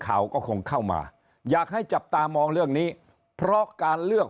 ข่าวก็คงเข้ามาอยากให้จับตามองเรื่องนี้เพราะการเลือก